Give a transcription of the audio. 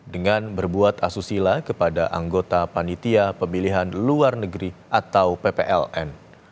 dengan berbuat asusila kepada anggota panitia pemilihan luar negeri atau ppln